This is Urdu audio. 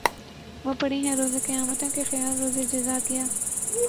وہ پڑی ہیں روز قیامتیں کہ خیال روز جزا گیا